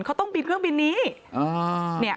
เขาต้องบินเครื่องบินนี้